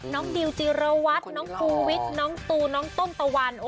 ดิวจิรวัตรน้องภูวิทย์น้องตูน้องต้นตะวัน